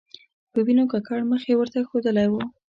په وینو ککړ مخ یې ورته ښودلی و.